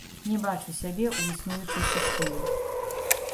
Не бачу сябе ў існуючай сістэме.